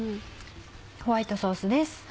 ホワイトソースです。